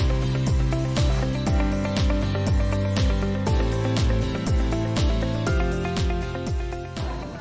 มคนศนมาก